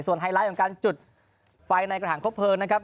ไฮไลท์ของการจุดไฟในกระถางครบเพลิงนะครับ